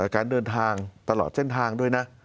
การเดินทางตลอดเส้นทางด้วยนะ